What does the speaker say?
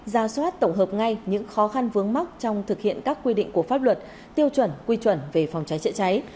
ra soát tổng hợp ngay những khó khăn vướng mắc trong thực hiện các quy định của pháp luật tiêu chuẩn quy chuẩn về phòng cháy chữa cháy